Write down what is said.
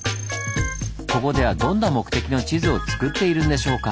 ここではどんな目的の地図を作っているんでしょうか？